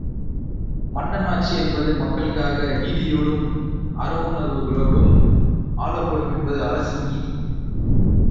மன்னன் ஆட்சி என்பது மக்களுக்காக நீதியோடும், அறவுணர்வுகளோடும் ஆளப்படும் என்பது அரச நீதி.